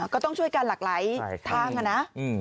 ก็ต้องช่วยกันหลากหลายทางนะ